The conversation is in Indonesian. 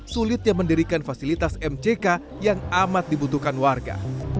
sulitnya mendirikan fasilitas mck yang amat dibutuhkan warga